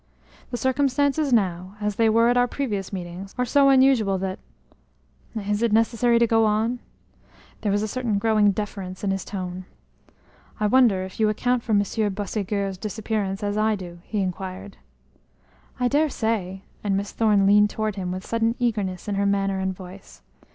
The circumstances now, as they were at our previous meetings, are so unusual that is it necessary to go on?" There was a certain growing deference in his tone. "I wonder if you account for Monsieur Boisségur's disappearance as I do?" he inquired. "I dare say," and Miss Thorne leaned toward him with sudden eagerness in her manner and voice.